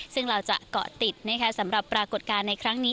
ซึ่งเราจะเกาะติดสำหรับปรากฏการณ์ในครั้งนี้